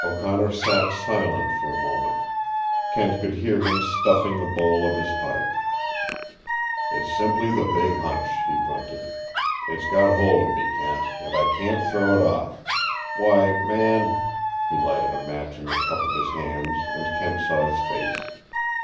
O'Connor sat silent for a moment. Kent could hear him stuffing the bowl of his pipe. "It's simply the big hunch," he grunted. "It's got hold of me, Kent, and I can't throw it off. Why, man " He lighted a match in the cup of his hands, and Kent saw his face.